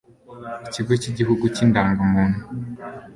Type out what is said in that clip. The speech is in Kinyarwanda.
ikigo cy'igihugu cy'indangamuntu